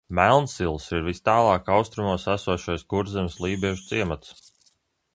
Melnsils ir vistālāk austrumos esošais Kurzemes lībiešu ciems.